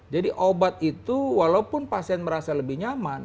obat itu walaupun pasien merasa lebih nyaman